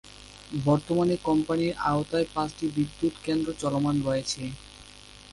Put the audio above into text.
বর্তমানে কোম্পানির আওতায় পাঁচটি বিদ্যুৎ কেন্দ্র চলমান রয়েছে।